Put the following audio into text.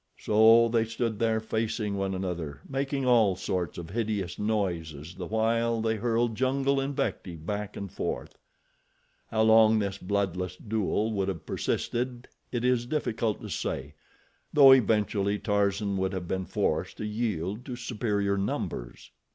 So they stood there facing one another, making all sorts of hideous noises the while they hurled jungle invective back and forth. How long this bloodless duel would have persisted it is difficult to say, though eventually Tarzan would have been forced to yield to superior numbers.